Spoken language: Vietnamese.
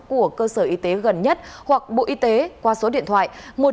của cơ sở y tế gần nhất hoặc bộ y tế qua số điện thoại một nghìn chín trăm linh chín nghìn chín mươi năm